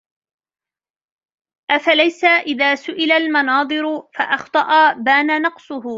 أَفَلَيْسَ إذَا سُئِلَ الْمَنَاظِرُ فَأَخْطَأَ بَانَ نَقْصُهُ